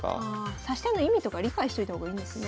指し手の意味とか理解しといた方がいいんですね。